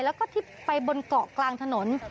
แล้วก็ที่ไปบนเกาะกลางถนน